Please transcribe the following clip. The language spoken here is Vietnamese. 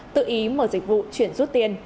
tự ý mở dịch vụ chuyển rút tiền